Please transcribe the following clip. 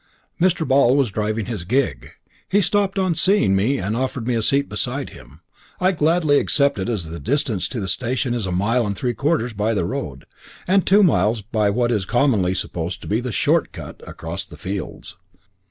Mr. Ball was driving his gig. He stopped on seeing me and offered me a seat beside him. I gladly accepted, as the distance to the station is a mile and three quarters by the road, and two miles by what is commonly supposed to be the short cut across the fields.